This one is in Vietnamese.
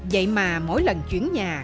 vậy mà mỗi lần chuyển nhà